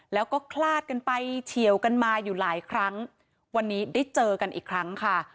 แล้วก็คลาดกันไปเฉียวกันมาอยู่หลายครั้งวันนี้ได้เจอกันอีกครั้งค่ะ